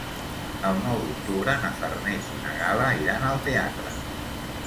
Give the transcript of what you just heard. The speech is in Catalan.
El nou d'octubre na Farners i na Gal·la iran al teatre.